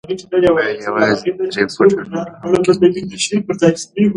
بايد يوازې درې فوټه نور هم کيندنې شوې وای.